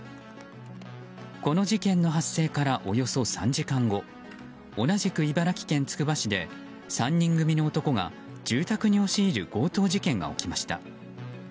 この事件の発生からおよそ３時間後同じく茨城県つくば市で３人組の男が住宅に押し入る強盗事件が起きました。